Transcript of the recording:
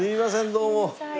どうも。